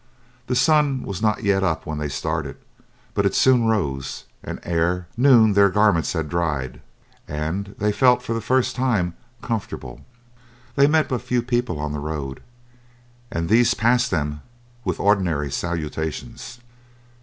The sun was not yet up when they started, but it soon rose, and ere noon their garments had dried, and they felt for the first time comfortable. They met but few people on the road, and these passed them with ordinary salutations.